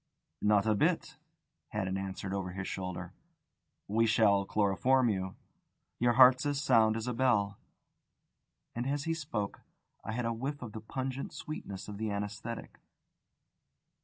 "Not a bit," Haddon answered over his shoulder. "We shall chloroform you. Your heart's as sound as a bell." And as he spoke, I had a whiff of the pungent sweetness of the anaesthetic.